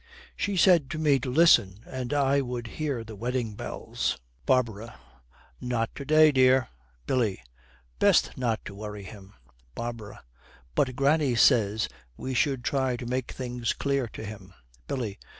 'She said to me to listen and I would hear the wedding bells.' BARBARA. 'Not to day, dear.' BILLY. 'Best not to worry him.' BARBARA. 'But granny says we should try to make things clear to him.' BILLY.